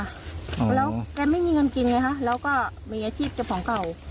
แล้วแกไม่มีเงินกินไงคะแล้วก็มีอาชีพเจ้าของเก่า